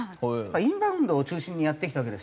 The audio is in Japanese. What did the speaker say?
インバウンドを中心にやってきたわけですよ。